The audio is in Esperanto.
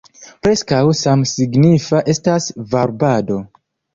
Preskaŭ samsignifa estas varbado.